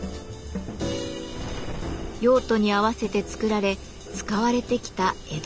用途に合わせて作られ使われてきた江戸の刷毛。